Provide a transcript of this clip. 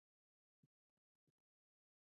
ایا زه باید وزن کم کړم؟